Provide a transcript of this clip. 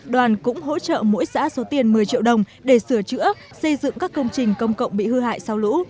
đoàn cũng hỗ trợ mỗi xã số tiền một mươi triệu đồng để sửa chữa xây dựng các công trình công cộng bị hư hại sau lũ